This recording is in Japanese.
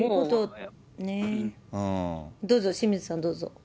どうぞ、清水さん、どうぞ。